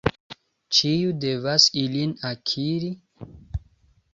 Ĉiu devas ilin akiri.